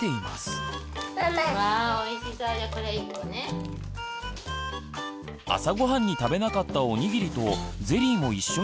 朝ごはんに食べなかったおにぎりとゼリーも一緒に出しました。